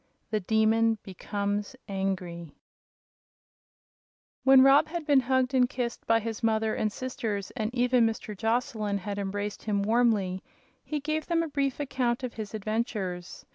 The Demon Becomes Angry When Rob had been hugged and kissed by his mother and sisters, and even Mr. Joslyn had embraced him warmly, he gave them a brief account of his adventures.